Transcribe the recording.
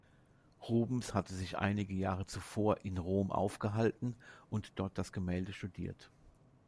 Rubens hatte sich einige Jahre zuvor in Rom aufgehalten und dort das Gemälde studiert.